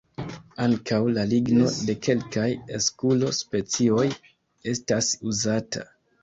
Ankaŭ la ligno de kelkaj "eskulo"-specioj estas uzata.